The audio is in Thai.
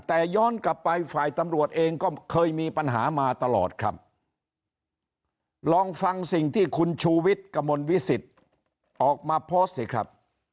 แต่ย้อนกลับไปฝ่ายตำรวจเองก็เคยมีปัญหามาตลอดครับลองฟังสิ่งที่คุณชูวิทย์กระมวลวิสิตออกมาโพสต์สิครับ